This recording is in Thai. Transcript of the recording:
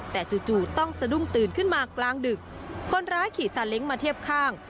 แต่จู่ต้องสะดุ้งตื่นขึ้นมากลางดึกคนร้ายขี่ซาเล้งมาเทียบข้าง